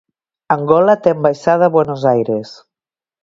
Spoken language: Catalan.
Angola té ambaixada a Buenos Aires.